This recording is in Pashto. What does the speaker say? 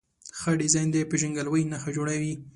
ښه ډیزاین د پېژندګلوۍ نښه جوړوي.